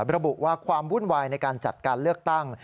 ระบุว่าความวุ่นวายในการจัดการเลือกตั้ง